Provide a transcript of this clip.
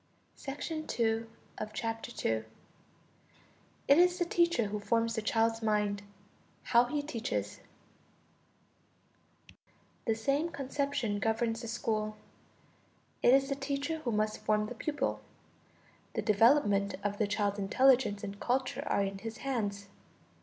=It is the teacher who forms the child's mind. How he teaches=. The same conception governs the school: it is the teacher who must form the pupil; the development of the child's intelligence and culture are in his hands.